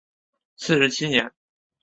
四十七年。